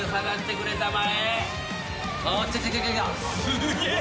・すげえ！